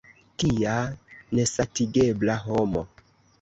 Kia nesatigebla homo!